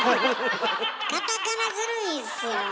カタカナずるいっすよホンマ。